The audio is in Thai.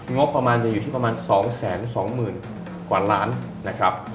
งบประมาณจะอยู่ที่ประมาณ๒๒๐๐๐กว่าล้านนะครับ